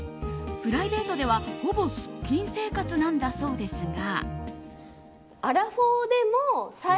プライベートでは、ほぼすっぴん生活なんだそうですが。